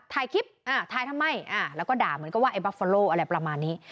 ถ่ายคลิปถ่ายทำไมแล้วก็ด่าเหมือนกับว่าไอบัฟฟอโลอะไรประมาณนี้